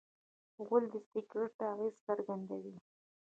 غول د سګرټ اغېز څرګندوي.